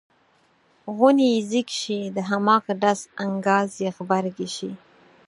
غونی یې ځیږ شي د هماغه ډز انګاز یې غبرګې شي.